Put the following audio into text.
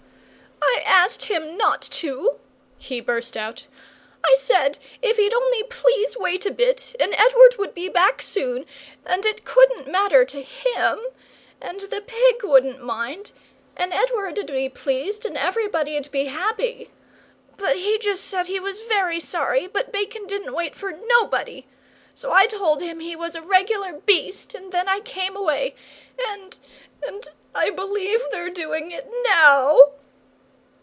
"I asked him not to," he burst out. "I said if he'd only please wait a bit and Edward would be back soon, and it couldn't matter to HIM, and the pig wouldn't mind, and Edward'd be pleased and everybody'd be happy. But he just said he was very sorry, but bacon didn't wait for nobody. So I told him he was a regular beast, and then I came away. And and I b'lieve they're doing it now!"